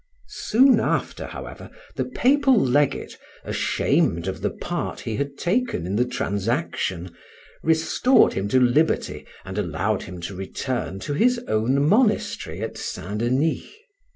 Soon after, however, the Papal legate, ashamed of the part he had taken in the transaction, restored him to liberty and allowed him to return to his own monastery at St. Denis.